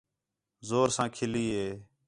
زور ساں کِھلّی ہے